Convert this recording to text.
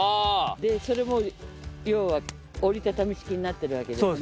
でそれも要は折りたたみ式になってるわけですね。